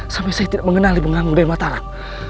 sampai saya tidak mengenali penganggung dari mataram